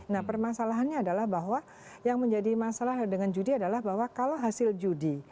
nah permasalahannya adalah bahwa yang menjadi masalah dengan judi adalah bahwa kalau hasil judi